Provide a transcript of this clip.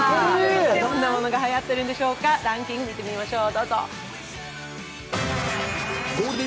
どんなものがはやっているんでしょうか、ランキングいってみましょう。